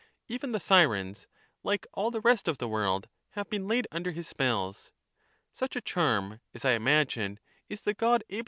Even the Sirens, like all the rest of the world, have been laid under his spells. Such a charm, as I imagine, is the God able to ' Cp.